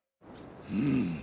うん。